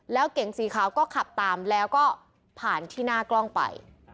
แล้วเก๋งสีขาวก็ขับตามแล้วก็ผ่านที่หน้ากล้องไป